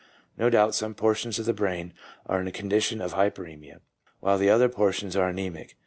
No doubt some portions of the brain are in a condition of hypersemia, while other portions are anemic.